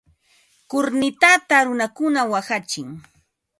Kurnitata runakuna waqachin.